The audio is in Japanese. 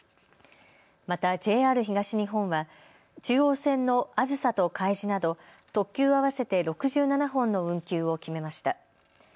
またＪＲ東日本は中央線のあずさとかいじなど特急合わせて６７本の運休を決めました。